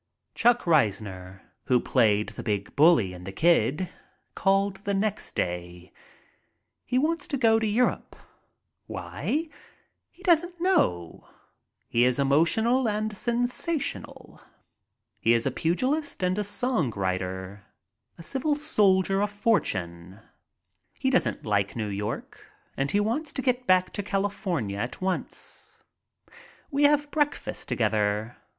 Chuck Reisner, who played the big bully in "The Kid," called the next day. He wants to go to Europe. Why? He doesn't know. He is emotional and sensational. He is a pugilist and a song writer. A civil soldier of fortune. He doesn't like New York and thinks he wants to get back to California at once. We have breakfast together.